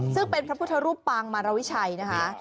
ซึ่งเป็นพระพุทธรูปปางมารวิชัยนะคะ